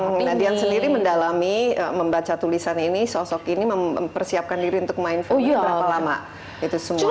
nah dia sendiri mendalami membaca tulisan ini sosok ini mempersiapkan diri untuk main film berapa lama itu semua